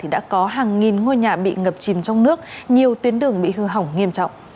đã có hàng nghìn ngôi nhà bị ngập chìm trong nước nhiều tuyến đường bị hư hỏng nghiêm trọng